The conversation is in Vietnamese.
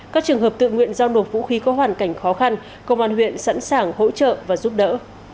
các trường hợp tự nguyện giao nộp vũ khí có hoàn cảnh khó khăn công an huyện sẵn sàng hỗ trợ và giúp đỡ